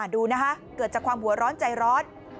ดูนะคะเกิดจากความหัวร้อนใจร้อน